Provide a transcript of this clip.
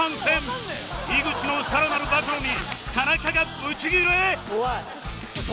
井口のさらなる暴露に田中がブチギレ！？